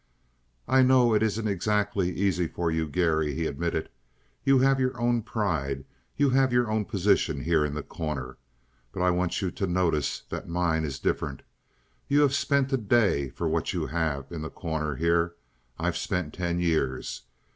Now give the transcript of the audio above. "I know it isn't exactly easy for you, Garry," he admitted. "You have your own pride; you have your own position here in The Corner. But I want you to notice that mine is different. You've spent a day for what you have in The Corner, here. I've spent ten years.